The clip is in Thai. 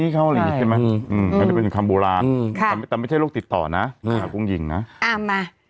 เขาว่าอย่างนั้น